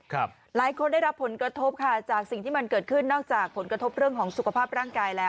หลายคนได้รับผลกระทบค่ะจากสิ่งที่มันเกิดขึ้นนอกจากผลกระทบเรื่องของสุขภาพร่างกายแล้ว